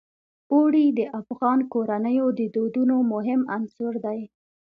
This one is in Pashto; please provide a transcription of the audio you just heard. اوړي د افغان کورنیو د دودونو مهم عنصر دی.